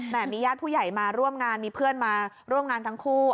มีญาติผู้ใหญ่มาร่วมงานมีเพื่อนมาร่วมงานทั้งคู่